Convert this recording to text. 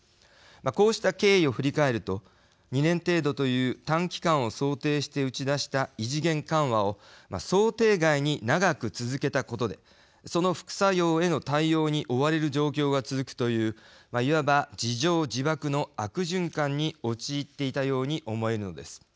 こうした経緯を振り返ると２年程度という短期間を想定して打ち出した異次元緩和を想定外に長く続けたことでその副作用への対応に追われる状況が続くといういわば自縄自縛の悪循環に陥っていたように思えるのです。